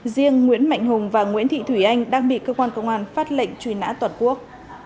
riêng nguyễn mạnh hùng và nguyễn thị thủy anh đang bị cơ quan công an phát lệnh truy nã toàn quốc